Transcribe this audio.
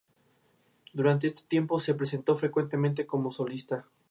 En la actualidad alberga la sede del Colegio Notarial de Castilla-La Mancha.